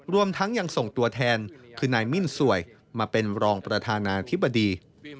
รวมทั้งยังส่งตัวแทนคือนายมิ้นสวยมาเป็นรองประธานาธิบดี